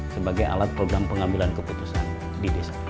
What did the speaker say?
sebagai alat program pengambilan keputusan di desa